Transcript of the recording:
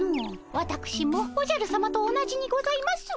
わたくしもおじゃるさまと同じにございます。